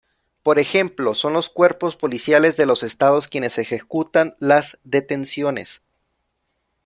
Por ejemplo, son los cuerpos policiales de los estados quienes ejecutan las detenciones.